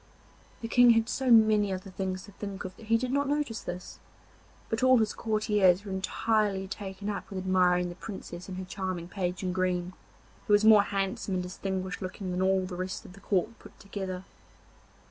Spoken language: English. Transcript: The King had so many other things to think of that he did not notice this, but all his courtiers were entirely taken up with admiring the Princess and her charming Page in green, who was more handsome and distinguished looking than all the rest of the court put together.